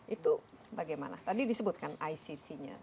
itu bagaimana tadi disebutkan ict nya